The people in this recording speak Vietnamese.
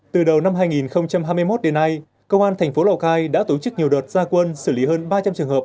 từ đầu năm hai nghìn hai mươi một đến nay công an thành phố lào cai đã tổ chức nhiều đợt gia quân xử lý hơn ba trăm linh trường hợp